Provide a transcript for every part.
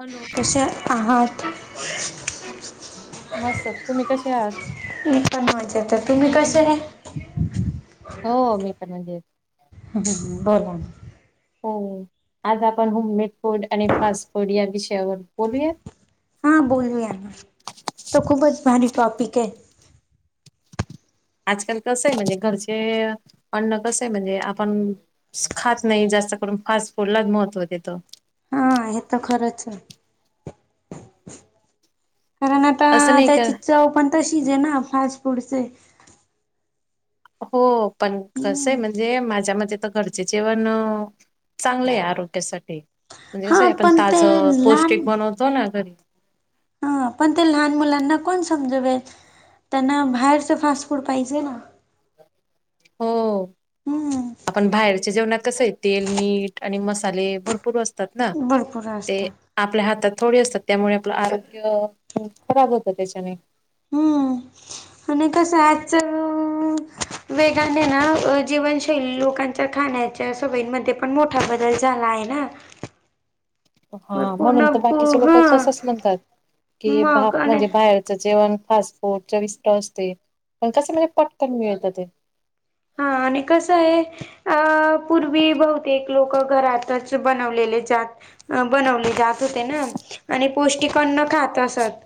Hello. कसे आहात? मस्त तुम्ही कसे आहात? मी पण माजेते तुम्ही कसेये? हो मी पण मजेत. ह बर म. हो आज आपण होम मीेट फूड आणि फास्ट फूड या विषयावर बोलूया? हा बोलू या ना. तो खूपच भारी टॉपिके. आजकाल कस म्हणजे, घरचे अन्न कसंय म्हणजे आपण खात नाही. जास्त करून फास्ट फूडला महत्त्व देतो. हा हे तर खरचे. कारण आ असं आता नाही का त्याची चव पण तशीचे ना. फास्ट फूडचे. हो पण कसंय हम्म म्हणजे, माझ्या म तर घर जेवण चांगलंय. आरोग्यासाठी. म्हणजे हा कसंय. आपण पण ते ताजं लहान पौष्टिक बनवतो ना घरी. ह पण ते लहान मुलांना कोण समजवेल. त्यांना बाहेरचं फास्ट फूड पाहिजे ना. हो हम्म आपण बाहेरच्या जेवणात कसंय, तेल, मीठ आणि मसाले भरपूर असतात ना. भरपूर ते असतात आपल्या हातात थोडी असतात. त्यामुळे आपलं आरोग्य खराब होतं त्याच्याने. हम्म आणि कसं याच ह [unintelligible] वेगाने ना जीवनशैली लोकांच्या खाण्याच्या सवयी मध्ये पण मोठा बदल झाला आहे ना. मग हा पूर्ण म्हणून तर बाकीचे लोक हा तसच म्हणतात. कि भाप मग आणि म्हणजे बाहेरचं जेवण फास् फुट चविष्ट असते. पण कस म्हणजे पटकन मिळत ते. हा आणि कसंये अ पूर्वी बहुतेक लोक घरातच बनवलेले जात अ बनवली जात होते ना. आणि पौष्टिक अन्न खात असत.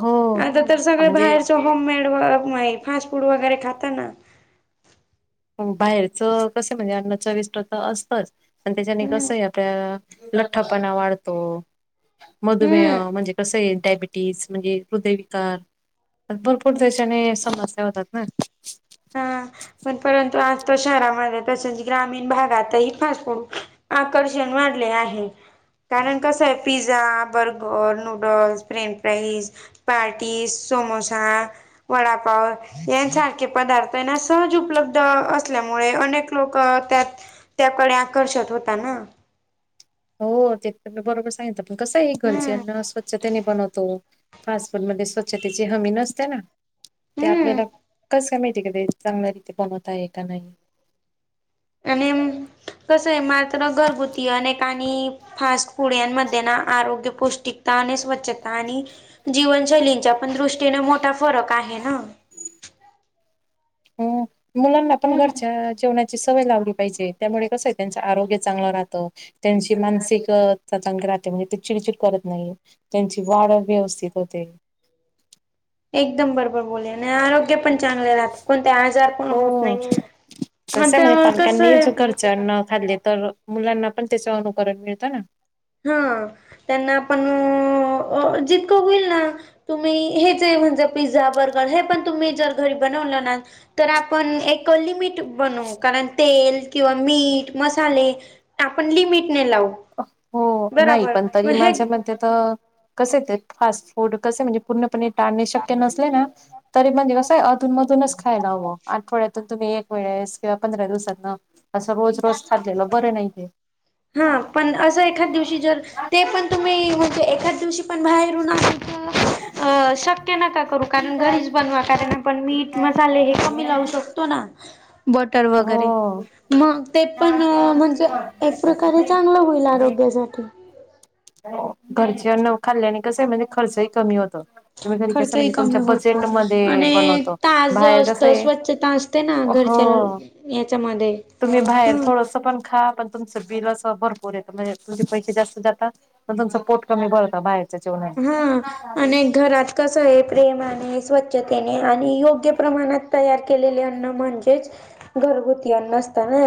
हो आता तर सगळं म्हणजे बाहेरच होममेड, फास्ट फूड वगैरे खाता ना. बाहेरच कस म्हणजे अण्ण चविष्ट तर असतच. आणि त्याच्याने कसं आता लठ्ठापणा वाढतो. हो मधुमेह म्हणजे कसंये डायबिटीस म्हणजे हृदयविकार. भरपूर त्याच्याने समस्या होतात ना. हा, पण परंतु आज तर शहरामध्ये तसच, ग्रामीण भागातही फास्ट फूड आकर्षण वाढले आहे. कारण कसंय, pizza, burger, noodles, French fries parties, samosa, vada pav यांसारखे पदार्थ ना, सहज उपलब्ध असल्यामुळे अनेक लोक त्यात त्याकडे आकर्षत होता ना. हो, ते तर म बरोबर सांगितल, पण कसं आहे घरचे हम्म अन् स्व स्वच्छतेने बनवतो, फास्ट फूड मध्ये स्वच्छतेची हमी नसते ना, ते हम्म आपल्याला कसं काय माहिती आहे का ते, चांगल्या रीती बनवत आहे का नाही? आणि कस आहे, मात्र घरगुतीने अनेक आणि फास्ट फुड्यांमध्ये ना, आरोग्य पौष्टिकता, आणि स्वच्छता आणि जीवनशैलींच्या पण दृष्टीने मोठा फरक आहे ना. ह, मुलांना आपण हम्म. घरच्या जेवणा ची, सवय लावली पाहिजे. त्यामुळे कसं आहे, त्यांच आरोग्य चांगलं राहतं. त्यांची मानसिकता चांगली राहते, म्हणजे ते चिडचिड करत नाही. त्यांची वाढ व्यवस्थित होते. एकदम बरोबर बोलले, आणि आरोग्य पण चांगले राहते, कोणते आजार पण होत हो नाही, मग कस आहे लागले तर, मुलांना पण त्याच अनुकरण मिळतं ना. हा, त्यांना आपण जितकं होईल ना तुम्ही हे जे म्हणजे, पिझ्झा, बर्गर, हे पण तुम्ही जर घरी बनवलं ना तर आपण एक लिमिट बनवू, कारण तेल, किंवा मीठ, मसाले आपण लिमिट ने लावू. हो, नाही बरोबर. पण मग तरी हे माझ्या मते तर, कसे ते फास्ट फूड कसे, म्हणजे पूर्णपणे टाळणे शक्य नसले ना, तरी म्हणजे कसं अधून मधूनच खायला हवं, आठवड्यातून तुम्ही एक वेळेस, किंवा पंधरा दिवसातन, असं रोज रोज खाल्लेलं बरं नाही ते. हा, पण असं एखाद दिवशी जर ते, पण तुम्ही म्हणजे एखाद दिवशी पण बाहेरून आ अ शक्य नका करू, कारण घरीच बनवा, कारण आपण मीठ मसाले हे कमी लावू शकतो ना? बटर हो वगैरे, मग ते पण म्हणजे खरं चांगल होईल आरोग्यासाठी. हो, घरच्यान खाल्ल्याने कसं आहे, म्हणजे खर्चही कमी होतो. तुम्ही घरी कसं खर्चही म्हणजे कमी तुमच्या होतो, बजेटमध्ये आणि बनवतो ताज बाहेर असत, कसं आहे स्वच्छता असत ना घरच्या हो याच्यामध्ये तुम्ही बाहेर हम्म थोडसं पण खा पण तुमचं बिल असं भरपूर येत, म्हणजे तुमचे पैसे जास्त जातात, पण तुमचं पोट कमी भरत, बाहेर हा, आणि घरात कस आहे, प्रेमाने, स्वच्छ स्वच्छतेने, आणि योग्य प्रमाणात तयार केलेले अन्न म्हणजेच घरगुती अन्न असत ना,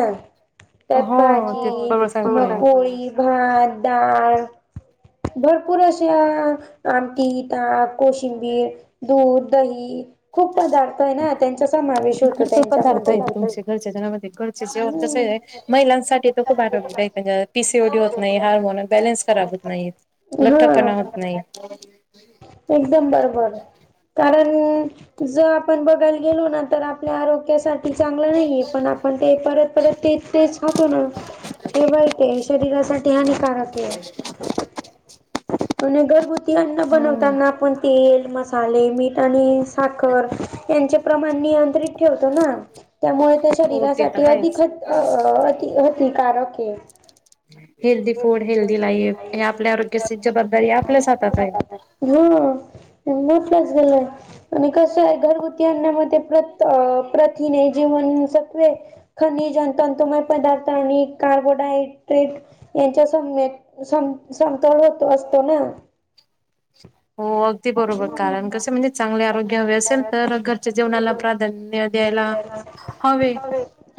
त्यात हो ते भाजी, बरोबर सांगत मग तुम्ही पोळी भात, डाळ, भरपूर अस अ आमटी, ताक, कोशिंबीर, दूध, दही खूप पदार्थ आहे ना, त्यांचा समावेश होतो भरपूर पदार्थ त्यांच्यामध्ये आहेत तुमचे घरच्या जेवणा मध्ये, घरचे जेवण जस हम्म आहे महिलांसाठी तर खूप आरोग्यदायी, पी. सी. ओ. डी होत नाही, हार्मोन बॅलेन्स खराब होत नाही. लठ्ठपणा हा होत नाही. एकदम बरोबर, कारण जर आपण बघायला गेलो ना तर आपल्या आरोग्यासाठी चांगलं नाहीये, पण आपण ते परत-परत ते तेच खातो ना, हे वाईट ये शरीरासाठी हानिकारक ये. म्हणून घरगुती अन्न बनवताना, आपण तेल, मसाले, मीठ आणि स साखर यांचे प्रमाण नियंत्रित ठेवतो ना? त्यामुळे ते हो ते शरीरासाठी तर अधिक आहेच. त अ अ अति-हतिकारक ये. हेल्दी फूड, हेल्दी लाईफ, हे आपल्या आरोग्याची जबाबदारी आपल्याच हातात आहे. ह्म, हो मोठच झालं य. आणि कसं य घरगुती अन्ना मध्ये प्रत-अ-प्रथिने, जीवन सत्वे खनिज अन तंतुमय पदार्थ आणि कार्बोडाय-ड्रेट. यांच्या समवेत, सम-समतोल होत असतो ना. होग. ते बरोबर कारण, कसे म्हणजे चांगले आरोग्य हवे असेल तर, घरच्या जेवणाला प्राधान्य द्यायला हवे.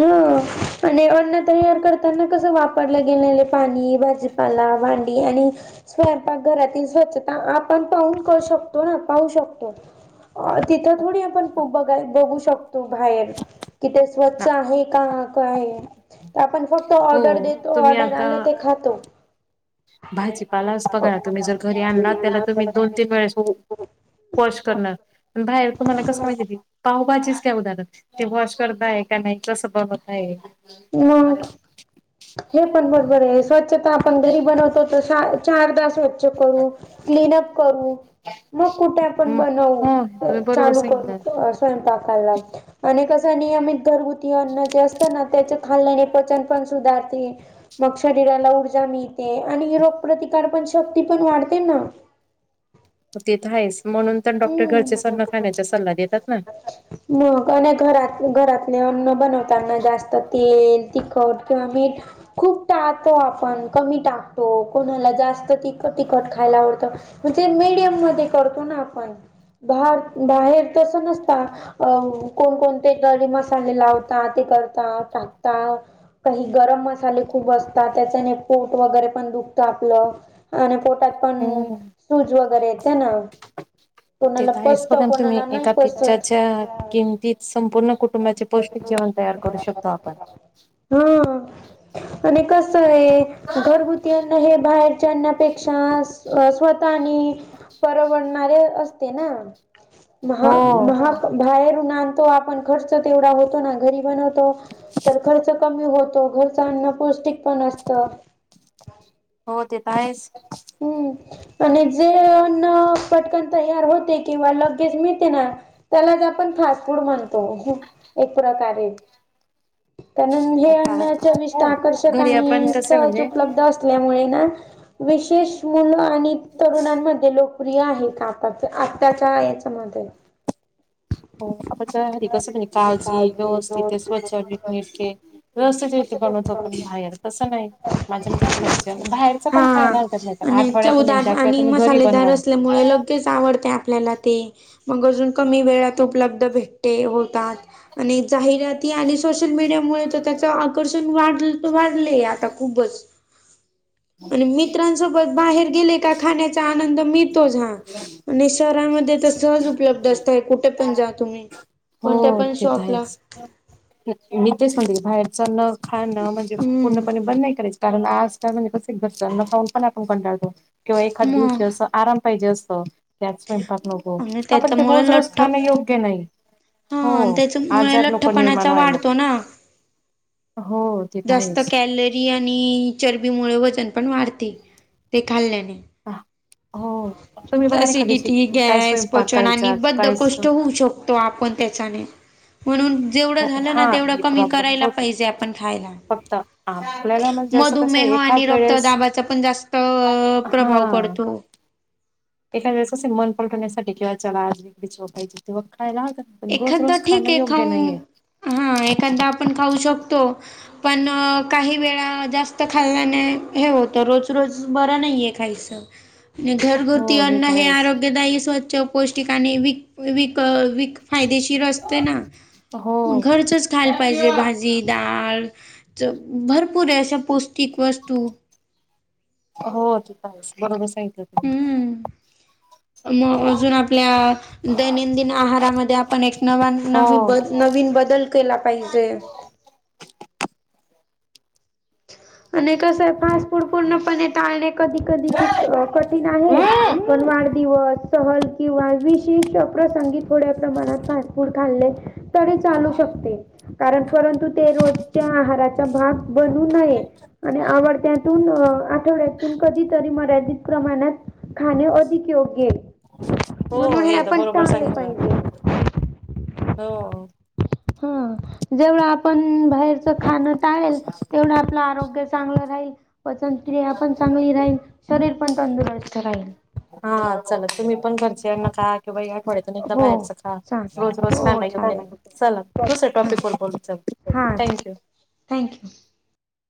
हं आणि अन्न तयार करताना, कसं वापरलं गेलेल पाणी, भाजी पाला, भांडी आणि स्वयंपाक घरातील स्वच्छता आपण पाहून क शकतो ना? पाहू शकतो. अ तिथं थोडी आपण बघाय, बघू शकतो बाहेर. तिथे ना स्वच्छ आहे का, काय ये? आपण फक्त हो ऑर्डर देतो, तुम्ही ऑर्डर आता आलं ते खातो. भाजीपालाच बघा तुम्ही, जर घरी आणला, त्याला तुम्ही दोन तीन वेळा स, वॉश करनार, बाहेर तुम्हाला कस माहितीे ते? पावभाजीचं घ्या उदाहरण, ते वॉश करताय का नाही कस बनवताय ये. मग हे पण बरोबर ये, स्वच्छता आपण घरी बनवतो, तर शा चारदा स्वच्छ करू, क्लीन उप करू. मग कुठे आपण म बनवू, हो तुम्ही बरोबर च-चालू करू सांगितलं कस स्वयंपाकला आणि कस नियमित घरगुती अन्न जे असत ना, त्याच्यात खाल्याने पचन पण सुधारते. मग शरीराला ऊर्जा मिळते आणि रोग प्रतिकार पण शक्ती पण वाढते ना. ते तर आहेस, म्हणून पण डॉक्टर हम्म घरचे सन्न खाण्याचा सल्ला देतात ना. मग आणि घरात-घरातले अन्न बनवताना जास्त तेल तिखट किंवा मीठ खूप टाळतो आपण, कमी टाकतो, कोणाला जास्त तिख-तिखट खायला आवडतं म्हणजे मीडियम मध्ये करतो ना आपण, भार-बाहेर तस नसत. अं कोणकोणते गरी मसाले लावता, ते करता, टाकता काही गरम मसाले खूप असतात, त्याच्याने पोट वगैरे पण दुखत आपलं. अन पोटात पण, हो हो. शूज वगैरे येते ना. कोणाला तेेत आहेस, पचत बघा न तुम्ही कोणाला नाही एका पिक्चर पचत च्या किमतीत, संपूर्ण कुटुंबाचे पौष्टिक जेवण तयार करू शकतो आपण. ह्म आणि कस ये घरगुती अन्न हे बाहेर च्याना पेक्षा, स्वतः आणि परवडणारे असते ना. हो. महा-महा बाहेरून आणतो आपण, खर्च तेवढा होतो ना, घरी बनवतो. तर खर्च कमी होतो, घरच अन्न पौष्टिक पण असतं. हो ते तर आहेच. हम्म आणि जे अन्न पटकन तयार होते किंवा लगेच मिळते ना त्यालाच आपण फास्ट फूड म्हणतो एक प्रकारे कारण हे हो अन्ना चविष्ट, आकर्षक घरी आपण आणि कसं सहज म्हणजे उपलब्ध अस असल्यामुळेन विशेष मुलं आणि तरुणांमध्ये लोक प्रिय आहेत का आता ते आताच्या याच्यामध्ये. हो आप तरी घरी कसं काळजी व्यवस्थित ते स्वच्छ, नीट नेटके रसेत पण होतो पण बाहेर कसं नाही माझ्या नंतर घरच्या बाहेरच हा पण खायला हरकत नाही पण आणि आठवड्यातून चवदार एकदा किंवा आणि तुम्ही घरी मसालेदार बनवा. असल्यामुळे लगेच आवडत्या आपल्याला ते मग अजून कमी वेळात उपलब्ध भेटते होतात. आणि जाहिराती आ सोशल मीडिया मुळे तर त्याचं आकर्षण वाढ तर वाढलंय आता खूपच आणि मित्रांसोबत बाहेर गेले का खाण्याचा आनंद मिळतोच हा. आणि शहरामध्ये तर सहज उपलब्ध असतय कुठे पण जा तुम्ही कोणत्या हो पण ते तर शॉपला. आहेच. मी तेच म्हणते बाहेर जाणं खाणं म्हणजे पूर्ण हम्म. पुर्ण पुणे बंद नाही करायच कारण आज म्हणजे कस पाऊन पण आपण कंटाळतो किंवा एखाद मग. दिवशी असं आराम पाहिजे असतं. त्याच स्वयंपाक नको आणि ह पण ते त्याच्यामुळे रोज, रोज लठ्ठ खाणं योग्य नाही. हो हा त्याच्यामुळे आजार नको निर्माण लठ्ठपणाचा व्हायला वाढतो ना. हो. ते तर जास्त आहेच कॅलरी आणि चरबीमुळे वजन पण वाढते ते खाल्ल्याने. अ हो. तुम्ही बघा ना एखाद्याशी अससिडिटी, काय गॅस, स्वयंपाक पचन आणि करायचा बद्ध काय कोष्ट होऊ शकतो. तो आपण त्याच्याने म्हणून जेवढं झालं ना हा तेवढं हे कमी प्रॉब्लेम करायला होते पाहिजे आपण खायला. फक्त आपल्याला म्हणजे असं कसं मधुमेह आणि एखाद वेळेस रक्तदाबाचा पण जास्त अ प्रभाव हा पडतो. एखाद्या वेळेस कसे मन पलटवण्यासाठी किंवा चला आज चोय तेव्हा खायला आ एखादा ठीक आहे खाऊन हा एखादा आपण खाऊ शकतो. पण काही वेळा जास्त खाल्ल्याने हे होतं रोज, रोज बरं नाही आहे खायचं. ह [inaudible] आणि घरगुरती हो अन्न तर हे आहेच. आरोग्यदायी, स्वच्छ, पौष्टिकाने विक विक व फायदेशीर हो. असते ना घरचच खायला पाहिजे भाज जी, डाळ भरपूर आहे अशा पौष्टिक वस्तू हो ते तर आहेच बरोबर सांगितलं तुम्ही. हम्म मग अजून आपल्या दैनंदिन आहारामध्ये आपण एक नवा नवी हो. नवीन बदल केला पाहिजे. आणि कसं आहे फस्फूड पूर्णपणे टाळले कधी, कधी कठीण आहे हम्म. पण वाढदिवस, सहल किंवा विशेष प्रसंगी थोड्या प्रमाणात फास्ट फूड खाल्ले तरी चालू शकते. कारण परंतु ते रोजच्या आहाराचा भाग बनू नये. आणि आवडत्यातून आठवड्यात कधीतरी मर्यादित प्रमाणात खाणे अधिक योग्य आहे. हो म्हणून हे तर आपण बरोबर टळलं पाहिजे. हो हो. हा जेवढं आपण बाहेरच खाणं टाळेल तेवढं आपलं आरोग्य चांगलं राहील पचनक्रिया पण चांगली, राहील शरीर पण तंदुरस्त राहील. हा चला तुम्ही पण घरच्यांना काय किंवा या एकदा हो बाहेरच खा चालेल. रोज, रोज हो खान योग्य चालेल. नाही चला दुसऱ्या टॉपिक व बोलु चला. हा, थँक यू.